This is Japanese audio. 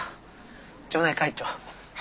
町内会長。